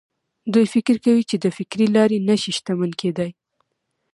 دوی فکر کوي چې د فکري لارې نه شي شتمن کېدای.